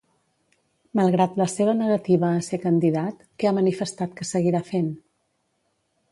Malgrat la seva negativa a ser candidat, què ha manifestat que seguirà fent?